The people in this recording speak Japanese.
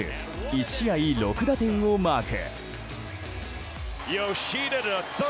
１試合６打点をマーク。